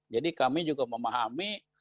jadi kami juga memahami